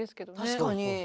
確かに。